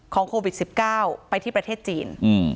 โควิด๑๙ไปที่ประเทศจีน